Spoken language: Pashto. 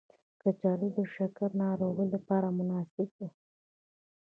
کچالو د شکرې ناروغانو لپاره مناسب ندی.